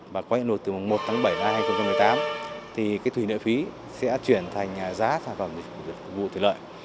và có thể luật từ mùng một tháng bảy năm hai nghìn một mươi tám thì cái thuỷ nợ phí sẽ chuyển thành giá sản phẩm dịch vụ thủy lợi